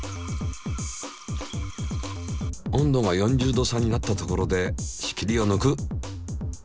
温度が４０℃差になったところで仕切りをぬく。